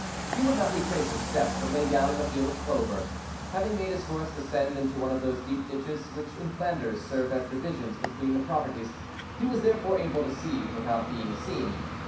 He would not retrace his steps, but lay down in a field of clover; having made his horse descend into one of those deep ditches which in Flanders serve as divisions between the properties, he was therefore able to see without being seen.